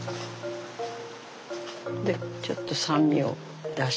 でちょっと酸味を出して。